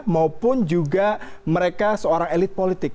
maupun juga mereka seorang elit politik